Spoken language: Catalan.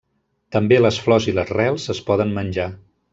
També les flors i les rels es poden menjar.